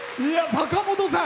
坂本さん。